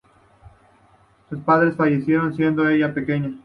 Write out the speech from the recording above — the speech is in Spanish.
Sus padres fallecen siendo ella pequeña.